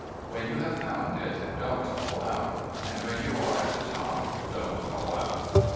'When you have found it, don't call out ! And when you are at the top, don't call out